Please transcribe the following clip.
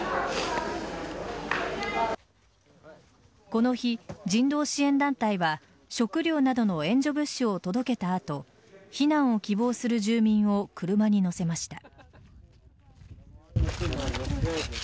この日、人道支援団体は食料などの援助物資を届けた後避難を希望する住民を車に乗せました。